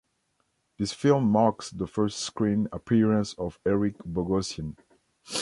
This film marks the first screen appearance of Eric Bogosian.